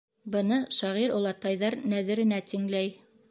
Быны шағир олатайҙар нәҙеренә тиңләй: